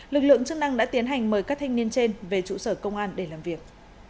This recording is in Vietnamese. lực lượng chức năng đã tiến hành mời các thanh niên trên về trụ sở công an để làm việc